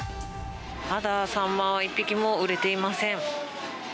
まだサンマは１匹も売れていません。